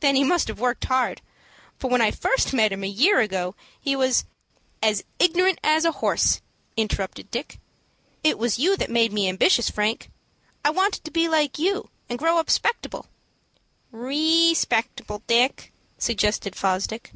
"Then he must have worked hard; for when I first met him a year ago, he was " "As ignorant as a horse," interrupted Dick. "It was you that first made me ambitious, Frank. I wanted to be like you, and grow up 'spectable." "_Re_spectable, Dick," suggested Fosdick.